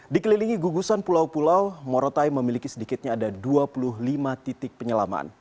dikelilingi gugusan pulau pulau morotai memiliki sedikitnya ada dua puluh lima titik penyelaman